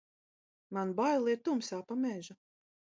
Man bail iet tumsā pa mežu!